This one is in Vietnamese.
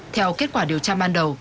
theo kết quả điều tra ban đầu